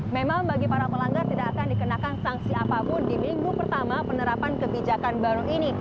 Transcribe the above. memang bagi para pelanggar tidak akan dikenakan sanksi apapun di minggu pertama penerapan kebijakan baru ini